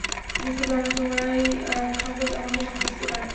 বুঝতে পার না, তোমারই সংকোচ আমাকে সংকুচিত করে।